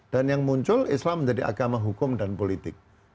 dan yang muncul islam menjadi agama hukum dan politik